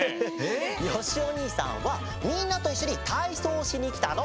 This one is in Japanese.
よしお兄さんはみんなといっしょにたいそうをしにきたの！